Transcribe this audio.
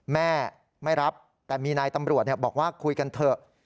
แม่ไม่รับแต่มีนายตำรวจบอกว่าคุยกันเถอะ